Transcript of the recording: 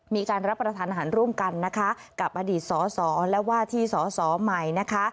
มีการรับประทานอาหารร่วมกันนะคะกับอดีตสสและว่าที่สอสอใหม่นะคะ